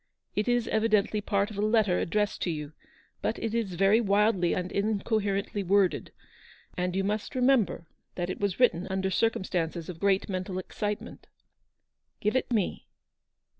It is evidently part of a letter addressed to you ; but it is very wildly and incoherently worded ; and you must remem ber that it was written under circumstances of great mental excitement." " Give it me